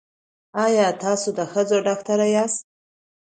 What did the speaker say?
ایا تاسو د ښځو ډاکټر یاست؟